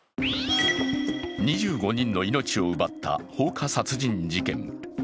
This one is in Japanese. ２５人の命を奪った放火殺人事件。